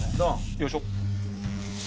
よいしょ。